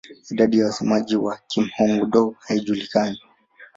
Idadi ya wasemaji wa Kihmong-Dô haijulikani.